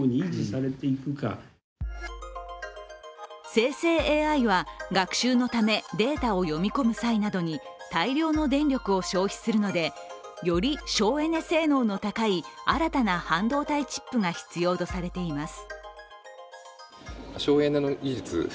生成ＡＩは学習のためデータを読み込む際などに大量の電力を消費するので、より省エネ性能の高い新たな半導体チップが必要とされています。